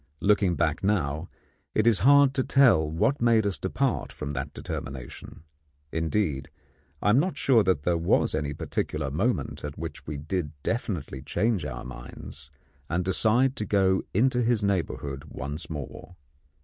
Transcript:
Looking back now, it is hard to tell what made us depart from that determination; indeed, I am not sure that there was any particular moment at which we did definitely change our minds and decide to go into his neighbourhood once more.